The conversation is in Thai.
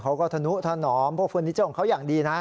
เขาก็ทะนุทะหนอมพวกคุณนิเจ้าของเขาอย่างดีนะ